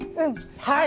はい！